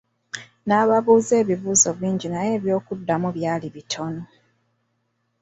Nababuuza ebibuuzo bingi naye eby'okuddamu byali bitono.